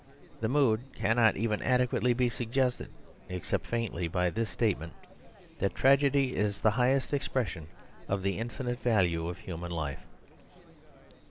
The mood cannot even adequately be suggested, except faintly by this statement that tragedy is the highest expression of the infinite value of human life.